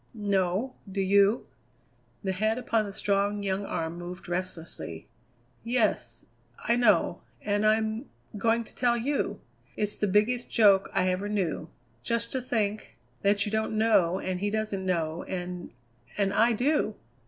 "No. Do you?" The head upon the strong, young arm moved restlessly. "Yes I know and I'm going to tell you! It's the biggest joke I ever knew. Just to think that you don't know, and he doesn't know, and and I do!"